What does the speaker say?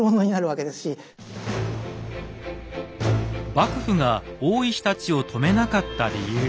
幕府が大石たちを止めなかった理由